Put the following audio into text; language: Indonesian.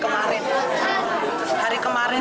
bahwa hari ini terjadi dari hari kemarin